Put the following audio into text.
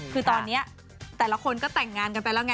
คือตอนนี้แต่ละคนก็แต่งงานกันไปแล้วไง